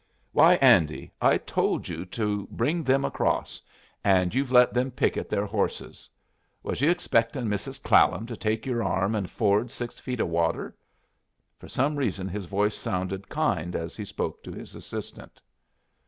"Why, Andy, I told you to bring them across, and you've let them picket their horses. Was you expectin' Mrs. Clallam to take your arm and ford six feet of water?" For some reason his voice sounded kind as he spoke to his assistant.